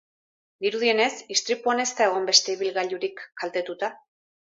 Dirudienez, istripuan ez da egon beste ibilgailurik kaltetuta.